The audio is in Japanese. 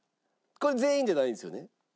これ全員じゃないんですよね？